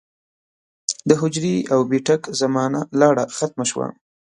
د حجرې او بېټک زمانه لاړه ختمه شوه